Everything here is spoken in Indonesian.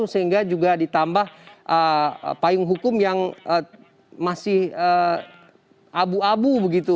sehingga juga ditambah payung hukum yang masih abu abu begitu